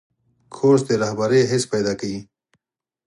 کورس د رهبرۍ حس پیدا کوي.